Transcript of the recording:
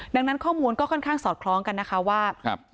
ดังนั้นข้อมูลก็ค่อนข้างสอดคล้องกันนะคะว่า